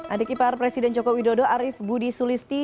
adik ipar presiden joko widodo arief budi sulisti